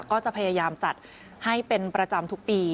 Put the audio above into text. ก็จะพยายามจัดให้เป็นประจำทุกปี